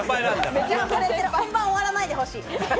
バンバン終わらないでほしい。